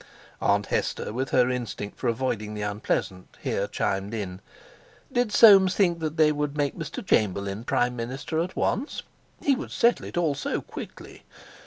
Aunt Hester, with her instinct for avoiding the unpleasant, here chimed in: Did Soames think they would make Mr. Chamberlain Prime Minister at once? He would settle it all so quickly.